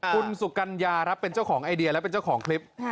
คุณสุกัญญาครับเป็นเจ้าของไอเดียและเป็นเจ้าของคลิป